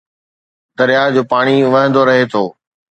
درياهه جو پاڻي وهندو رهي ٿو